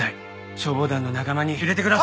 消防団の仲間に入れてください！